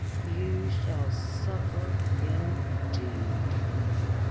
"You shall suffer indeed."